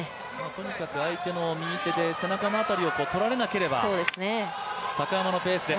とにかく相手の右手で背中のあたりをとられなければ高山のペースで。